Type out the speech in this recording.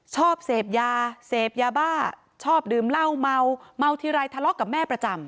ชอบเสพยาเสพยาบ้าชอบดื่มเหล้าเมาเมาทีไรทะเลาะกับแม่ประจำ